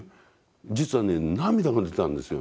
実はね涙が出たんですよ。